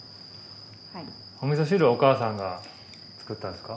お味噌汁お母さんが作ったんですか？